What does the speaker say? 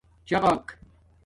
چغݳک